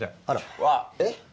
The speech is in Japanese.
あら。